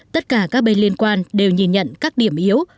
tất cả các bên liên quan đều nhìn nhận các điểm yếu